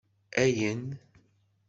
Ayen